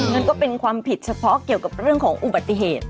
นั่นก็เป็นความผิดเฉพาะเกี่ยวกับเรื่องของอุบัติเหตุ